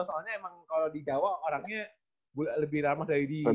soalnya emang kalo di jawa orangnya lebih ramah dari di jakarta